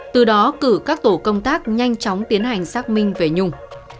từ đó cử các tổ công tác nhanh chóng tiến hành xác minh về nhung